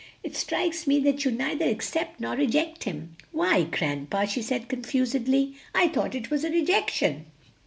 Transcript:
"It strikes me that you neither accept nor reject him." "Why, grandpa," she said confusedly, "I thought it was a rejection."